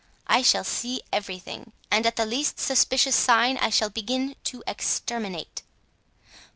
I shall see everything, and at the least suspicious sign I shall begin to exterminate."